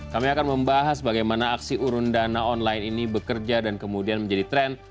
kami akan membahas bagaimana aksi urundana online ini bekerja dan kemudian menjadi trend